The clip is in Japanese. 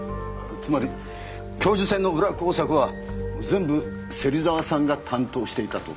つまり教授選の裏工作は全部芹沢さんが担当していたと？